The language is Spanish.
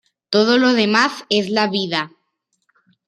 Todo lo demás es la vida".